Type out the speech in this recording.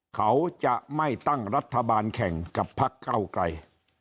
เขาจะไม่ตั้งรัฐบาลแข่งกับพักเก้าไกร